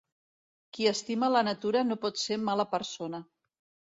Qui estima la natura no pot ser mala persona.